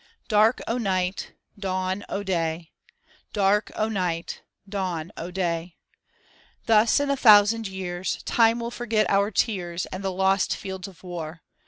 Dark o' night, dawn o' day. Dark o' night, dawn o' day. Thus in a thousand years Time will forget our tears. And the lost fields of war.